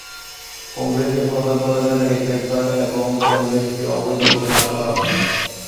কংগ্রেসের প্রধান প্রধান নেতাকে গ্রেফতার এবং কংগ্রেসকে অবৈধ ঘোষণা করা হয়।